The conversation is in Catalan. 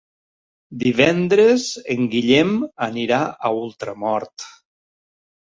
Divendres en Guillem anirà a Ultramort.